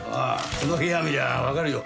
この部屋見りゃわかるよ。